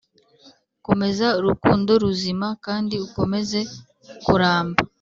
komeza urukundo ruzima kandi ukomeze kuramba.